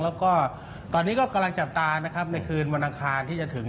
แล้วก็ตอนนี้ก็กำลังจับตานะครับในคืนวันอังคารที่จะถึง